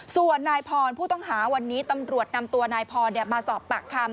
ส่วนนายพรผู้ต้องหาวันนี้ตำรวจนำตัวนายพรมาสอบปากคำ